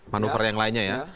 manuver yang lainnya ya